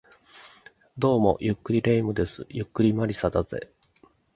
どうも、ゆっくり霊夢です。ゆっくり魔理沙だぜ